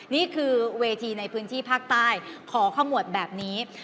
นี่คือเวทีในพื้นที่ภาคใต้ขอขมวดแบบนี้